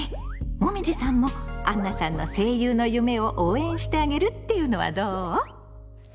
もみじさんもあんなさんの「声優の夢」を応援してあげるっていうのはどう？